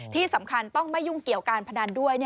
ที่สำคัญต้องไม่ยุ่งเกี่ยวการพนันด้วย